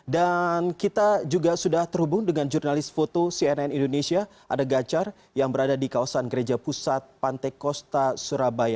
dan kita juga sudah terhubung dengan jurnalis foto cnn indonesia ada gancar yang berada di kawasan gereja pusat pantekosta surabaya